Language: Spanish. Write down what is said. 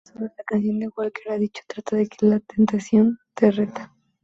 Sobre la canción, Walker ha dicho:“Trata de que la tentación te reta.